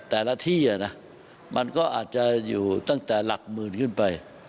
แต่ละที่มันก็อาจจะอยู่ตั้งแต่หลักหมื่นขึ้นไป